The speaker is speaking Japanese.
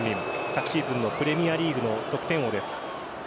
昨シーズンのプレミアリーグの得点王です。